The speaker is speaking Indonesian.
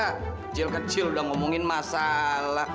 kecil kecil udah ngomongin masalah